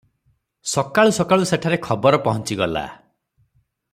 ସକାଳୁ ସକାଳୁ ସେଠାରେ ଖବର ପହଞ୍ଚିଗଲା ।